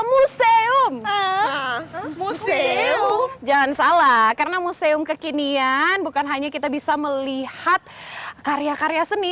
museum museum jangan salah karena museum kekinian bukan hanya kita bisa melihat karya karya seni